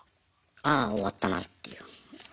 ああ終わったなっていう。